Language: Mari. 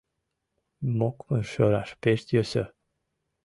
Мокмыр шӧраш пеш йӧсӧ.